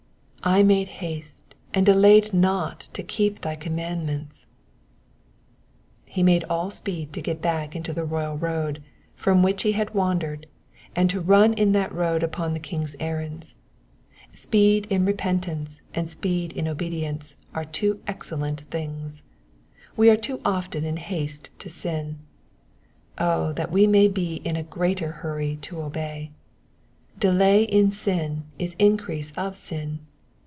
''''I made haste, and delayed not to keep thy commandments,'*^ He made all speed to get back into the royal road from which he had wandered, and to run in that road upon the King's errands. Speed in repentance and speed in obedience are two excellent things. We are too often in haste to sin ; O that we may be in a greater hurry to obey. Delay in sin is increase of sin.